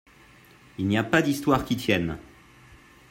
Il n’y a pas d’histoire qui tienne